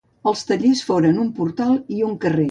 Els tallers foren un portal i un carrer.